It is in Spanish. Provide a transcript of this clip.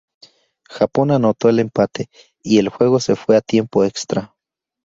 Japón anotó el empate y el juego se fue a tiempo extra.